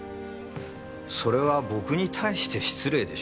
それは僕に対して失礼でしょ。